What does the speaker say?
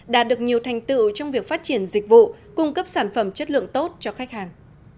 đạt được nhiều thành tựu trong việc phát triển dịch vụ cung cấp sản phẩm chất lượng tốt cho khách hàng